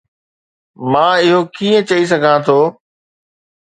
مان اهو ڪيئن چئي سگهان ٿو؟